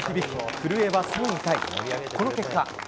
古江は３位タイ、この結果。